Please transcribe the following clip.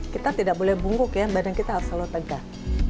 kita tidak boleh bungkuk ya badan kita harus selalu tegak